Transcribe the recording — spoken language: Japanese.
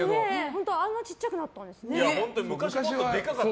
あんなに小さくなったんですね。